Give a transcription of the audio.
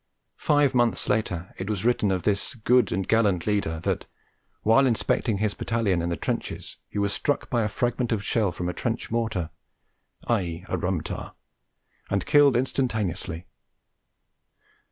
Five months later it was written of 'this good and gallant leader' that 'while inspecting his battalion in the trenches he was struck by a fragment of shell from a trench mortar (i.e. a rum jar) and killed instantaneously.'